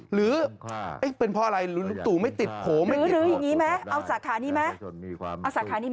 หรือเป็นเพราะอะไรลุงตู่ไม่ติดโผล่ไม่ติดอย่างนี้ไหมเอาสาขานี้ไหม